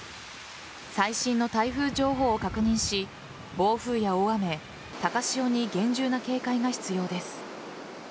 最新の台風情報を確認し暴風や大雨、高潮に厳重な警戒が必要です。